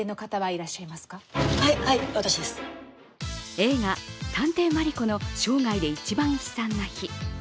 映画「探偵マリコの生涯で一番悲惨な日」